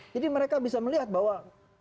jadi mereka bisa melihat bahwa